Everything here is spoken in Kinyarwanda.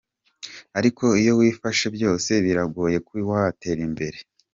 ariko iyo wifasha byose , biragoye ko watera imbere.